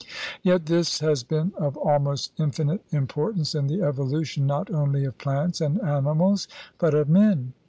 Yet this has been of almost infinite importance in the evolution not only of plants and animals but of men.